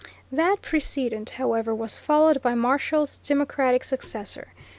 That precedent, however, was followed by Marshall's Democratic successor.